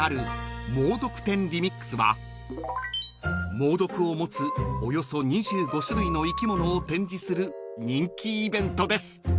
［猛毒を持つおよそ２５種類の生き物を展示する人気イベントです］